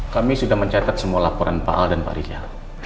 kami sudah mencatat semua laporan pak al dan pak rizal